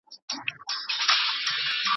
نړیوال قوانین د هیوادونو ترمنځ نظم رامنځته کوي.